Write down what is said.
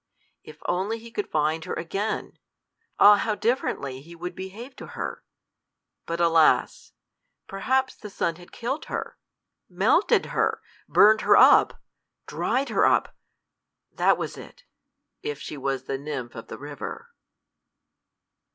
If only he could find her again! Ah, how differently he would behave to her! But alas! perhaps the sun had killed her melted her burned her up! dried her up: that was it, if she was the nymph of the river.